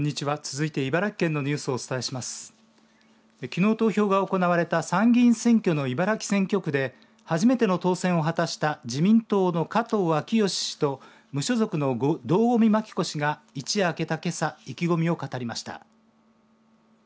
きのう投票が行われた参議院選挙の茨城選挙区で初めての当選を果たした自民党の加藤明良氏と無所属の堂込麻紀子氏が一夜明けたけさ意気込みを語りました。